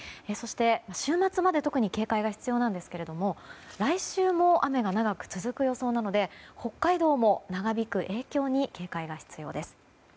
週末まで特に警戒が必要なんですが来週も雨が長く続く予想なので北海道も長引く影響に警戒が必要です。